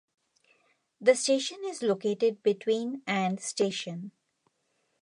The station is located between and station.